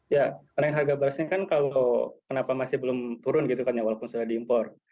ya karena harga berasnya kan kalau kenapa masih belum turun gitu kan ya walaupun sudah diimpor